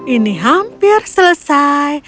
ini hampir selesai